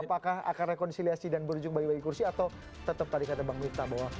apakah akan rekonsiliasi dan berujung bagi bagi kursi atau tetap tadi kata bang miftah bahwa